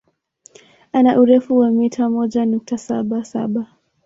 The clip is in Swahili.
Ana urefu wa mita moja nukta saba saba